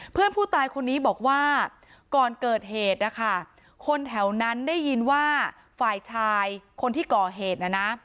เพื่อนผู้ตายคนนี้บอกว่าก่อนเกิดเหตุนะคะคนแถวนั้นได้ยินว่าฝ่ายชายคนที่ก่อเหตุนะนะ